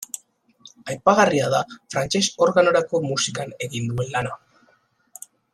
Aipagarria da frantses organorako musikan egin duen lana.